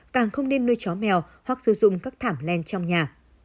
càng không nên nuôi chó mèo hoặc sử dụng các thảm len trong nhà